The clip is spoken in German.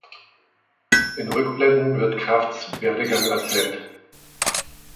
In Rückblenden wird Krafts Werdegang erzählt.